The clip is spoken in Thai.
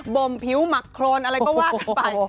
บ่มผิวหมักโครนอะไรก็ว่ากันไป